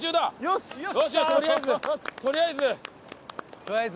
とりあえず。